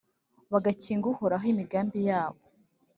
bagakinga Uhoraho imigambi yabo,